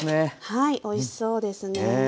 はいおいしそうですね。